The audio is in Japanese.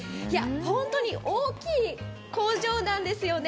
本当に大きい工場なんですよね。